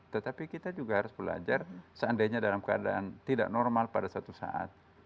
tetapi kita juga harus belajar seandainya dalam keadaan tidak normal pada suatu saat